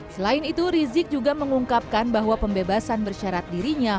selain itu rizik juga mengungkapkan bahwa pembebasan bersyarat dirinya